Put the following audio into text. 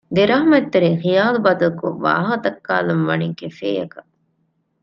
ދެރަހްމަތްތެރިން ހިޔާލު ބަދަލުކޮށް ވާހަކަދައްކާލަން ވަނީ ކެފޭއަކަށް